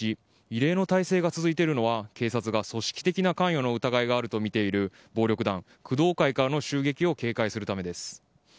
異例の体制が続いているのは警察が組織的な関与の疑いがあるとみている暴力団工藤会からの襲撃を警戒するためです。